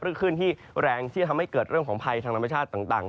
ขึ้นที่แรงที่จะทำให้เกิดเรื่องของภัยทางธรรมชาติต่าง